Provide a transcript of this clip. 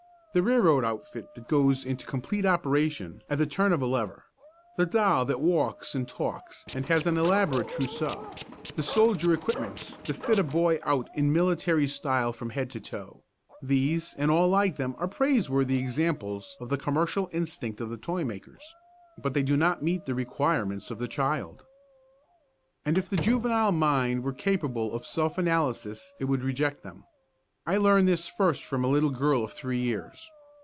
The railroad outfit that goes into complete operation at the turn of a lever; the doll that walks and talks and has an elaborate trousseau; the soldier equipments that fit a boy out in military style from head to toe these and all like them are praiseworthy examples of the commercial instinct of the toymakers; but they do not meet the requirements of the child. And if the juvenile mind were capable of self analysis it would reject them. I learned this first from a little girl of three years.